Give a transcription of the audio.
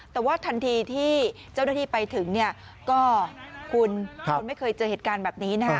แต่ว่าทันทีที่เจ้าหน้าที่ไปถึงเนี่ยก็คุณคุณไม่เคยเจอเหตุการณ์แบบนี้นะฮะ